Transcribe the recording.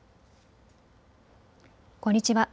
こんにちは。